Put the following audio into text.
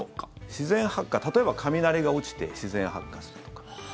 自然発火、例えば雷が落ちて自然発火するとか。